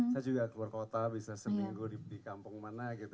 saya juga keluar kota bisa seminggu di kampung mana gitu